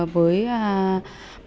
với một hoàn hảo